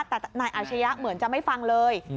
แต่นายอาชญะเหมือนจะไม่ฟังเลย